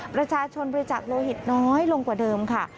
ประชาชนบริจักษ์โลหิตน้อยลงกว่าเดิมค่ะ